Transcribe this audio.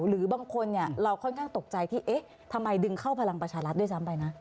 หรือบางคนเราค่อนข้างตกใจที่เอ๊ะทำไมดึงเข้าพลังประชารัฐด้วยซ้ำไปนะ